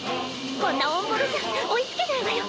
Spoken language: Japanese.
こんなオンボロじゃ追いつけないわよ。